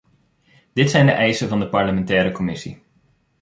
Dit zijn de eisen van de parlementaire commissie.